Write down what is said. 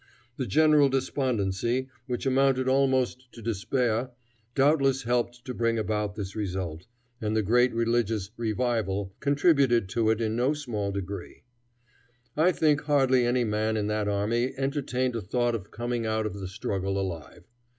The general despondency, which amounted almost to despair, doubtless helped to bring about this result, and the great religious "revival" contributed to it in no small degree. I think hardly any man in that army entertained a thought of coming out of the struggle alive.